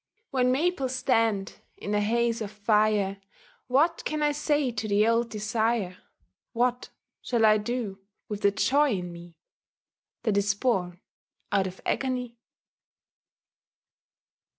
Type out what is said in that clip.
When maples stand in a haze of fire What can I say to the old desire, What shall I do with the joy in me That is born out of agony?